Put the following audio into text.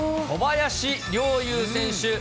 小林陵侑選手。